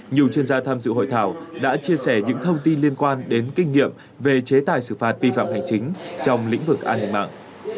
nhiều chuyên gia tham dự hội thảo đã chia sẻ những thông tin liên quan đến kinh nghiệm về chế tài xử phạt vi phạm hành chính trong lĩnh vực an ninh mạng